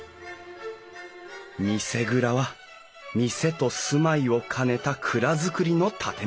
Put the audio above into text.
見世蔵は店と住まいを兼ねた蔵造りの建物。